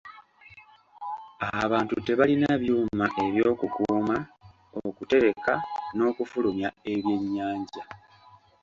Abantu tebalina byuma eby'okukuuma, okutereka n'okufulumya ebyennyanja.